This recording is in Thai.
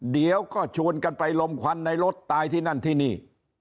เดี๋ยวก็ชวนกันไปลมควันในรถตายที่นั่นที่นี่